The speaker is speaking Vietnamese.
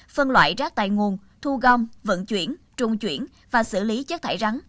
phân loại rác tài nguồn thu gom vận chuyển trung chuyển và xử lý chất thải rắn